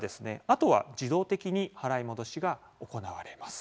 あとは自動的に払い戻しが行われます。